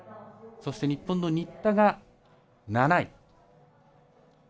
そして、日本の新田が７位。